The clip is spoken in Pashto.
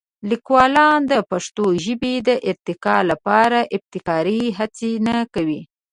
لیکوالان د پښتو ژبې د ارتقا لپاره ابتکاري هڅې نه کوي.